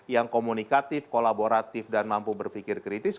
yang komunikatif kolaboratif dan mampu berpikir kritis